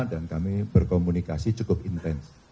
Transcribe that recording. dan kami berkomunikasi cukup intens